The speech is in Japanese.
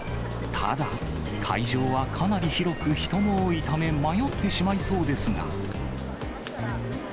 ただ、会場はかなり広く、人も多いため、迷ってしまいそうですが。